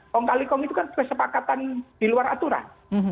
kong kali kong itu kan kesepakatan di luar aturan